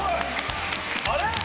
あれ？